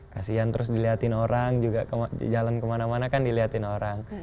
kasian terus dilihatin orang juga jalan kemana mana kan dilihatin orang